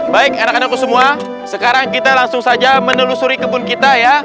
baik anak anakku semua sekarang kita langsung saja menelusuri kebun kita ya